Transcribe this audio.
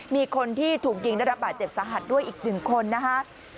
มีคนที่ถูกยิงได้รับบาดเจ็บสาหัสด้วยอีก๑คนนะคะ